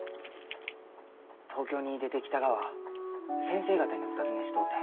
東京に出てきたがは先生方にお訪ねしとうて。